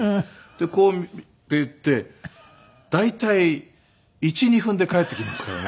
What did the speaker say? でこうって行って大体１２分で帰ってきますからね。